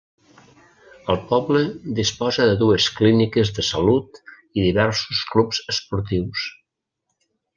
El poble disposa de dues clíniques de salut i diversos clubs esportius.